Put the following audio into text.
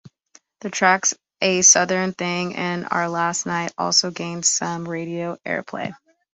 The tracks "A Southern Thing" and "Our Last Night" also gained some radio airplay.